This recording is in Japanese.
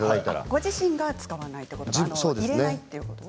ご自身が使わないということですね。